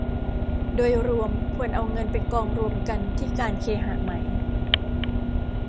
โดยรวมควรเอาเงินไปกองรวมกันที่การเคหะไหม